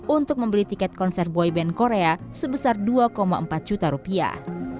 untuk membeli tiket konser boyband korea sebesar dua empat juta rupiah